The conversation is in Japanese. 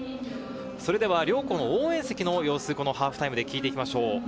それは両校の応援席の様子、このハーフタイムで聞いていきましょう。